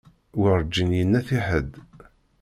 Werǧin yenna-t i ḥedd.